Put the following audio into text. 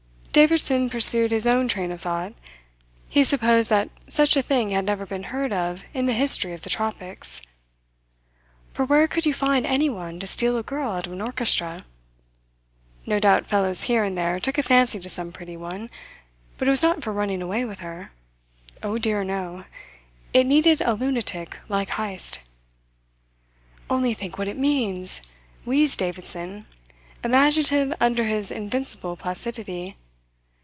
Davidson pursued his own train of thought. He supposed that such a thing had never been heard of in the history of the tropics. For where could you find anyone to steal a girl out of an orchestra? No doubt fellows here and there took a fancy to some pretty one but it was not for running away with her. Oh dear no! It needed a lunatic like Heyst. "Only think what it means," wheezed Davidson, imaginative under his invincible placidity.